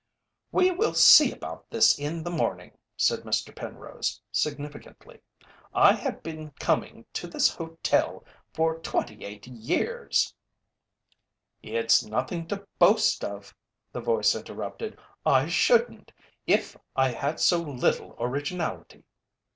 "We will see about this in the morning," said Mr. Penrose, significantly. "I have been coming to this hotel for twenty eight years " "It's nothing to boast of," the voice interrupted. "I shouldn't, if I had so little originality."